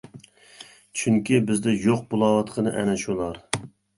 چۈنكى بىزدە يوق بولۇۋاتقىنى ئەنە شۇلار.